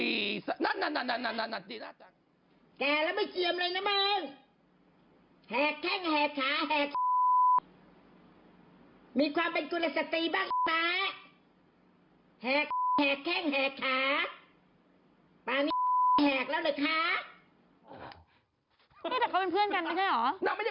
เมื่อฉันหนีมาในรายการมีคนไปฟ้องนางนะโอ้โหนะฮะ